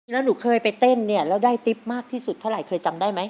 แล้วหนูเคยไปเต้นเนี่ยแล้วได้ติ๊บมากที่สุดเท่าไหร่เคยจำได้ไหม